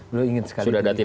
beliau ingin sekali